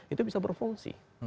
itu bisa berfungsi